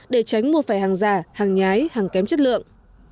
để tránh mua phải hàng giả hàng nhái hàng kém chất lượng